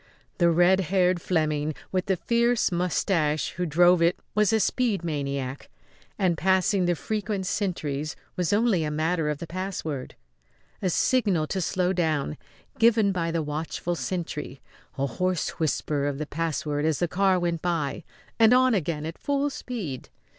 The red haired Fleming with the fierce moustache who drove it was a speed maniac, and passing the frequent sentries was only a matter of the password. A signal to slow down, given by the watchful sentry, a hoarse whisper of the password as the car went by, and on again at full speed.